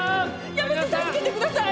やめて助けて下さい！